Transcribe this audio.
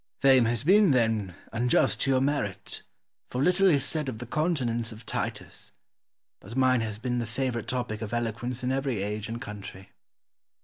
Scipio. Fame has been, then, unjust to your merit, for little is said of the continence of Titus, but mine has been the favourite topic of eloquence in every age and country.